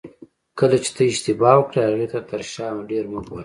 کله چې ته اشتباه وکړې هغې ته تر شا ډېر مه ګوره.